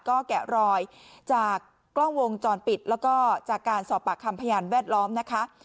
ก็แกะรอยจากกล้องวงจรปิดแล้วก็จากการสอบปากคำพยานแวดล้อมนะคะ